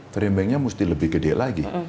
framingnya mesti lebih gede lagi